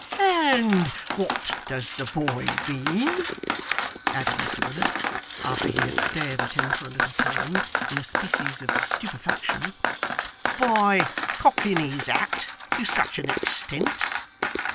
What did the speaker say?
'And what does the boy mean,' added Mr Willet, after he had stared at him for a little time, in a species of stupefaction, 'by cocking his hat, to such an extent!